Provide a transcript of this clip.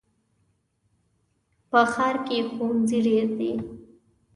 په ښار کې ښوونځي ډېر دي.